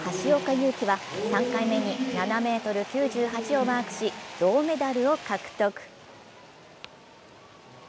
優輝は３回目に７ｍ９８をマークし、銅メダルを獲得。